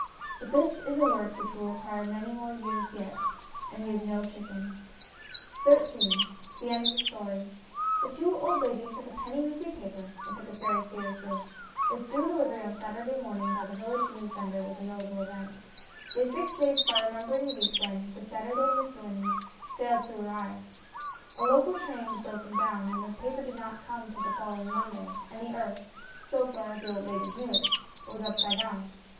But this is a work which will require many more years yet, and he is no chicken. XIII THE END OF THE STORY THE two old ladies took a penny weekly paper, and took it very seriously. Its due delivery on Saturday morning by the village newsvendor was a notable event. They fixed dates by remembering the week when The Sunday Miscellany failed to arrive ; a local train had broken down, and the paper did not come till the following Monday, and the earth so far as the old ladies knew it was up side down.